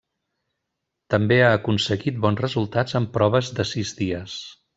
També ha aconseguit bons resultats en proves de sis dies.